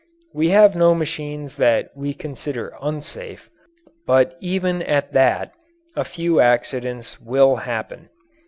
We have no machines that we consider unsafe, but even at that a few accidents will happen.